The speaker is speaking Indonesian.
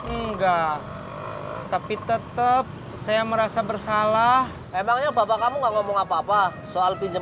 enggak tapi tetep saya merasa bersalah emangnya bapak kamu nggak ngomong apa apa soal pinjem